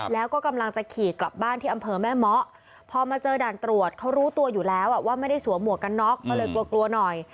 ในอำเภอแม่เมาะพอมาเจอด่านตรวจเขารู้ตัวอยู่แล้วอ่ะว่าไม่ได้สวมหมวกันน็อกเขาเลยกลัวกลัวหน่อย